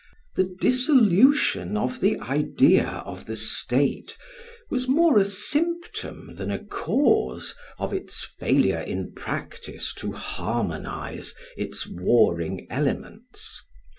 The dissolution of the idea of the state was more a symptom than a cause of its failure in practice to harmonise its warring elements.